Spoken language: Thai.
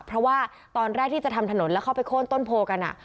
เพราะว่าตอนแรกที่จะทำถนนแล้วเข้าไปโค้นต้นโพกัน